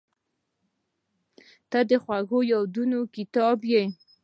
• ته د خوږو یادونو کتاب یې.